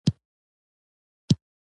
راشئ او کښېنئ